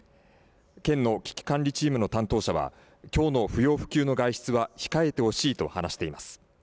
県の危機管理チームの担当者はきょうの不要不急の外出は控えてほしいと話しています。